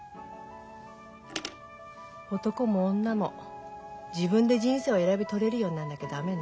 男も女も自分で人生を選び取れるようにならなきゃ駄目ね